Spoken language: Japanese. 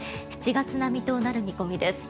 ７月並みとなる見込みです。